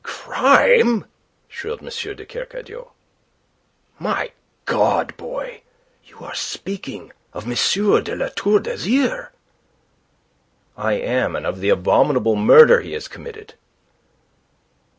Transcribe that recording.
"Crime?" shrilled M. de Kercadiou. "My God, boy, you are speaking of M. de La Tour d'Azyr." "I am, and of the abominable murder he has committed..."